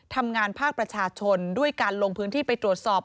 ภาคประชาชนด้วยการลงพื้นที่ไปตรวจสอบ